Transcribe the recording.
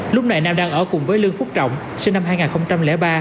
lúc này nam đang ở cùng với lương phúc trọng sinh năm hai nghìn ba